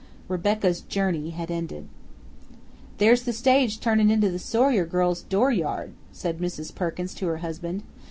Rebecca's journey had ended. "There's the stage turnin' into the Sawyer girls' dooryard," said Mrs. Perkins to her husband.